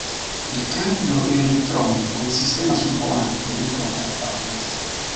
Il cambio è elettronico con sistema sul volante, detto a farfalla.